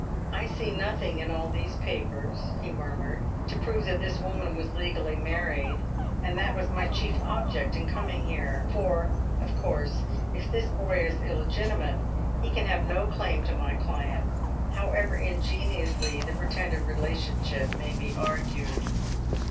" I see nothing in all these papers," he murmured, to prove that this wo man was legally married, and that was my chief object in coming here. For, of course, if this boy is illegitimate, he can have no claim to my client, however ingeniously the pretended relationship may be argued."